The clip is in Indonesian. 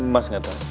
mas gak tau